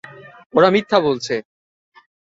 ওরা মিথ্যা বলছে।